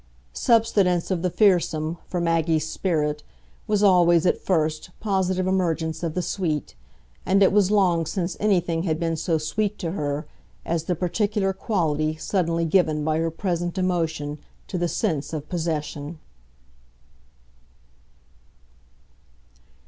Subsidence of the fearsome, for Maggie's spirit, was always, at first, positive emergence of the sweet, and it was long since anything had been so sweet to her as the particular quality suddenly given by her present emotion to the sense of possession.